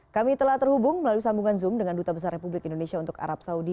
kami telah terhubung melalui sambungan zoom dengan duta besar republik indonesia untuk arab saudi